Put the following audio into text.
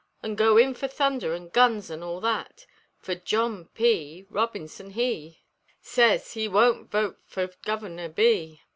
An' go in fer thunder an' guns, an' all that; Fer John P. Robinson he Sez he wun't vote for Guvener B.